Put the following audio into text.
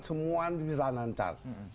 semua bisa lancar